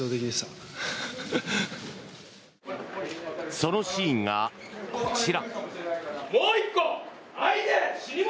そのシーンがこちら。